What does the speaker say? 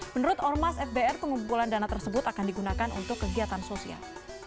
menurut ormas fbr pengumpulan dana tersebut akan digunakan untuk kegiatan sosial